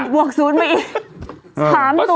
บวก๐ไปอีก๓ตัว